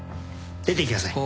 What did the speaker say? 出ていきなさい。